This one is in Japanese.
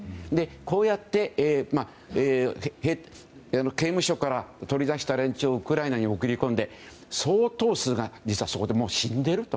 こうやって刑務所から取り出した連中をウクライナに送り込んで相当数が実はそこでもう死んでいると。